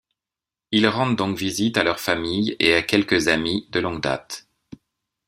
Ils rendent donc visite à leur famille et à quelques amis de longue date.